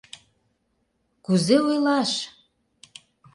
— Кузе ойлаш?